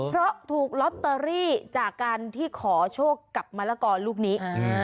เพราะถูกลอตเตอรี่จากการที่ขอโชคกับมะละกอลูกนี้